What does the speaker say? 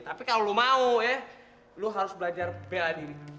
tapi kalau lo mau ya lo harus belajar bela diri